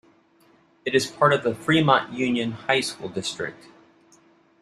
It is part of the Fremont Union High School District.